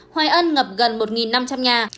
hoài ân ngập gần một năm trăm linh nhà